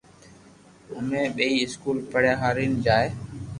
اووي ٻيئي اسڪول پپڙيا ھارين جائي